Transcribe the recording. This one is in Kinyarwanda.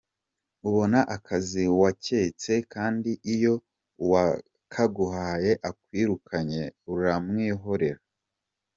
Ubona akazi wakatse, kandi iyo uwakaguhaye akwirukanye uramwihorera.